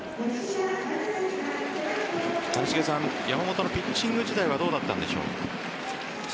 谷繁さん山本のピッチング自体はどうだったんでしょう？